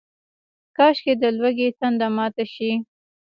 کاشکي، د لوږې تنده ماته شي